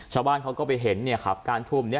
ชาวบ้านเขาก็ไปเห็นเนี่ยครับการทุ่มนี้